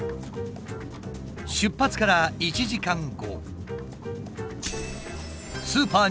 出発から１時間後。